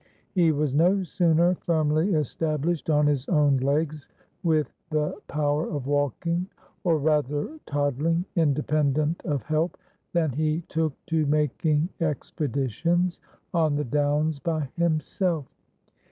He was no sooner firmly established on his own legs, with the power of walking, or rather toddling, independent of help, than he took to making expeditions on the downs by himself.